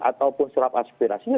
ataupun serap aspirasinya